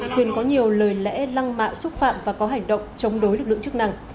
quyền có nhiều lời lẽ lăng mạ xúc phạm và có hành động chống đối lực lượng chức năng